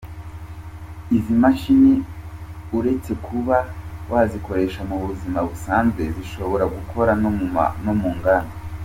Izi mashini uretse kuba wazikoresha mu buzima busanzwe zishobora gukora no mu nganda.